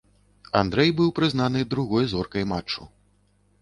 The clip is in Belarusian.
Андрэй быў прызнаны другой зоркай матчу.